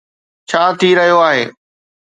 ڇا ٿي رهيو آهي